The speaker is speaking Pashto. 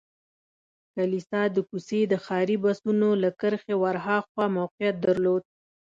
کلیسا د کوڅې د ښاري بسونو له کرښې ور هاخوا موقعیت درلود.